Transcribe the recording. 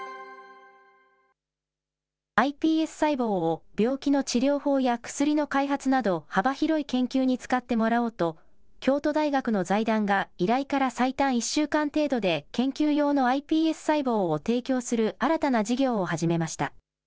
ｉＰＳ細胞を病気の治療法や薬の開発など、幅広い研究に使ってもらおうと、京都大学の財団が依頼から最短１週間程度で研究用のｉＰＳ細胞を提供する新たな事業を始めました。